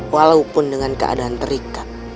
walaupun dengan keadaan terikat